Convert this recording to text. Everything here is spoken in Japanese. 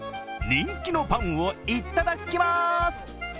人気のパンをいただきまーす。